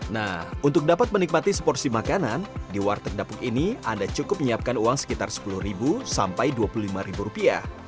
nah untuk dapat menikmati seporsi makanan di warteg dapuk ini anda cukup menyiapkan uang sekitar sepuluh sampai rp dua puluh lima